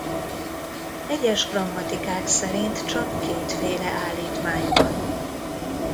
Egyes grammatikák szerint csak kétféle állítmány van.